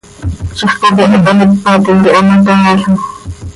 Ziix coqueht hanípatim cah hamacaalam.